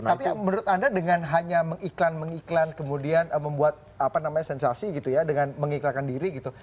tapi menurut anda dengan hanya mengiklan mengiklan kemudian membuat apa namanya sensasi gitu ya dengan mengiklankan diri gitu